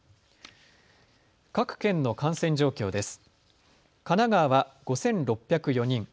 各県の感染状況です。